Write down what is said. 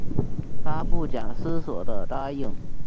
她不假思索的答应